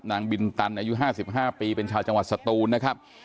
บินตันอายุ๕๕ปีเป็นชาวจังหวัดสตูนนะครับ